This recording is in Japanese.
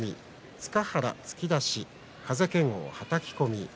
塚原、突き出し風賢央、はたき込み。